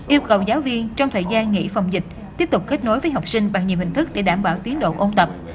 yêu cầu giáo viên trong thời gian nghỉ phòng dịch tiếp tục kết nối với học sinh bằng nhiều hình thức để đảm bảo tiến độ ôn tập